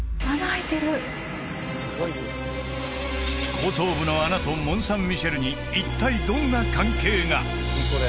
後頭部の穴とモン・サン・ミシェルに一体どんな関係が？